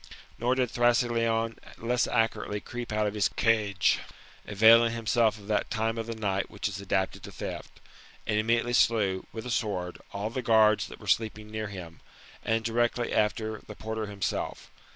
Nor did Thrasyleon less accurately creep out of his cage, avaiKflg himself of that time of the night which is adapted to theft j and immediately slew, with a sword, all the guards that were sleeping near him, and, directly after the porter himself.